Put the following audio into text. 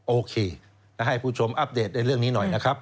โอเคให้ผู้ชมอัปเดตในเรื่องนี้หน่อยนะครับ